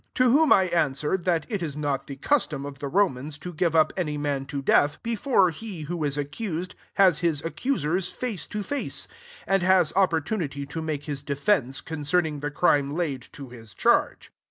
16 To whom I answered, that it is not the custom of the Romans to g^e up any man to deaths before he who is accused has hi* acc« sers face to face, and has op« portunity to make his defence concerning the crime laid to hb charge.